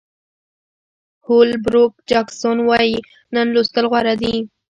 هول بروک جاکسون وایي نن لوستل غوره دي.